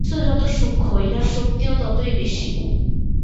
বস্তু যত সূক্ষ্ম, ইহার শক্তিও ততই বেশী।